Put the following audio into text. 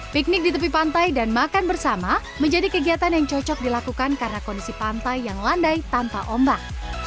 piknik di tepi pantai dan makan bersama menjadi kegiatan yang cocok dilakukan karena kondisi pantai yang landai tanpa ombak